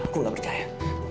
aku gak percaya